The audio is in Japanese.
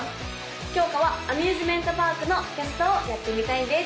きょうかはアミューズメントパークのキャストをやってみたいです